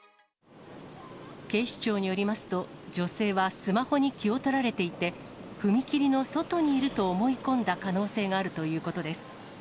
警視庁によりますと、女性はスマホに気を取られていて、踏切の外にいると思い込んだ可能性があるということです。